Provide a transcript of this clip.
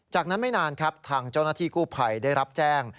จากนั้นไม่นานครับทางเจ้าหน้าที่กู้ภัยได้รับแจ้ง